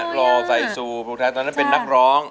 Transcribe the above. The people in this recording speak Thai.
รอใส่ซูภูไทยตอนนั้นเป็นนักร้อง